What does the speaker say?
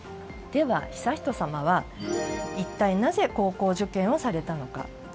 では、悠仁さまは一体なぜ高校受験をされたのか。